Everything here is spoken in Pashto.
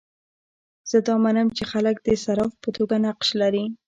زه دا منم چې خلک د صارف په توګه نقش لري.